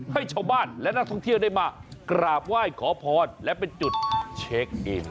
ให้ชาวบ้านและนักท่องเที่ยวได้มากราบไหว้ขอพรและเป็นจุดเช็คอิน